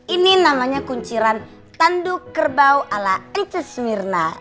ini namanya kunciran tanduk kerbau ala incus myrna